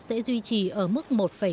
sẽ duy trì ở mức một ba